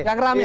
yang rame itu